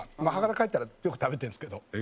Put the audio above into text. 帰ったらよく食べてるんですけど。